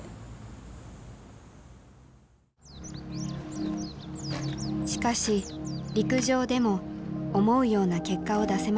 しかし陸上でも思うような結果を出せません。